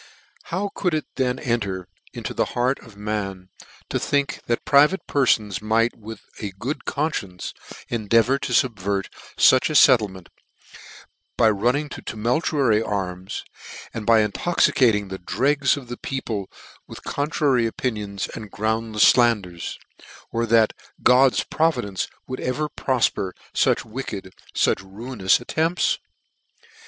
" How could it then enter into the heart of man, to think that private perfons might with a good conference endeavour to fubvert fuch a fet tlement, by running to tumultuary arms, and by intoxicating the dregs of the people with contra dictory opinions and groundlefs (landers : or that God's providence would ever profper fuch wicked, fuch ruinous attempts?